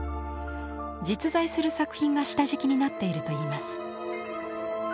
実在する作品が下敷きになっているといいます。